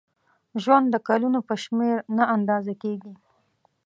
ژوند د کلونو په شمېر نه اندازه کېږي.